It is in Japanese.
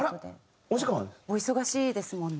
お忙しいですもんね。